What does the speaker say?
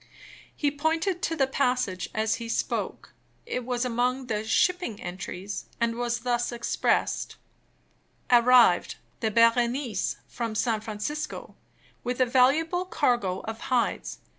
He pointed to the passage as he spoke. It was among the "Shipping Entries," and was thus expressed: "Arrived, the Berenice, from San Francisco, with a valuable cargo of hides.